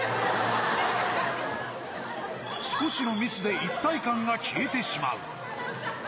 少しのミスで一体感が消えてしまう。